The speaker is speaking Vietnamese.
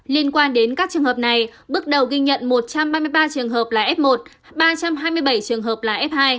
liên quan đến các trường hợp này bước đầu ghi nhận một trăm ba mươi ba trường hợp là f một ba trăm hai mươi bảy trường hợp là f hai